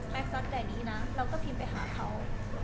แมคซัตแดดี้นะเราก็พิมพ์ไปหาเขา